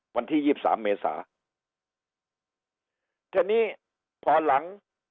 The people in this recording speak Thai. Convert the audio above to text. วันที่ยี่สิบสามเมษาทีนี้พอหลัง